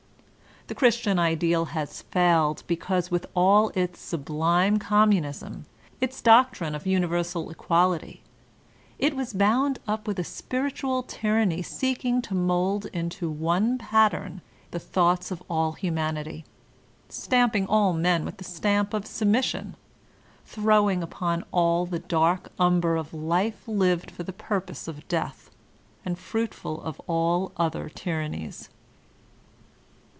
The Christian ideal has failed because with all its sublime Communism, its doctrine of universal equality, it was bound up with a spiritual tyranny seeking to mould into one pattern the thoughts of all humanity, stamping all men with the stamp of submission, throwing iqKMi all the dark umber of life lived far the purpose of dmih, and fruitful of all other tyrannies.